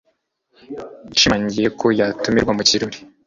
Yashimangiye ko yatumirwa mu kirori